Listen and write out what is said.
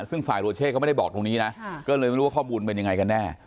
ซึ่งฝ่ายโรเช่เขาไม่ได้บอกตรงนี้นะก็เลยไม่รู้ว่าข้อมูลเป็นยังไงกันแน่